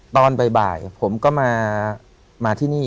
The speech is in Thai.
ตอนบ่ายผมก็มาที่นี่